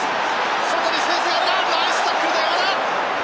外にスペースがあるがナイスタックルだ山田！